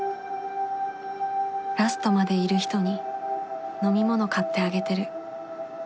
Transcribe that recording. ラストまでいる人に飲み物買ってあげてる